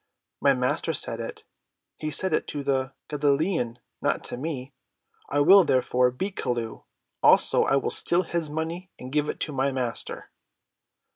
"My Master said it. He said it to the Galilean, not to me. I will, therefore, beat Chelluh; also I will steal his money and give it to my Master."